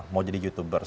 mau jadi youtuber